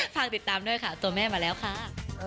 ฝากติดตามด้วยค่ะตัวแม่มาแล้วค่ะ